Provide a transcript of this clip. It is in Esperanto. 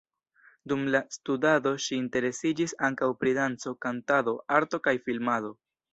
Dum la studado ŝi interesiĝis ankaŭ pri danco, kantado, arto kaj filmado.